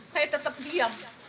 saya tetap diam